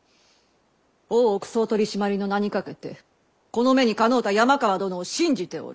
大奥総取締の名に懸けてこの目にかのうた山川殿を信じておる。